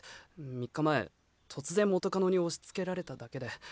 ３日前突然元カノに押しつけられただけで。